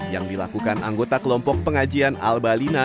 yang dilakukan anggota kelompok pengajian al balina